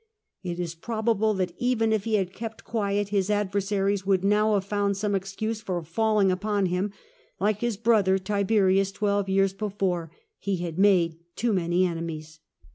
It is probable that, even if he had kept quiet, his adversaries would now have found some escuse for falling upon him : like his brother Tiberius twelve years before, he had made too many enemies.